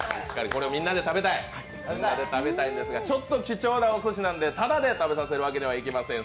これをみんなで食べたいんですが、ちょっと貴重なおすしなんでただで食べさせるわけにはいきません。